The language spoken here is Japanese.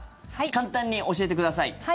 簡単に教えてください。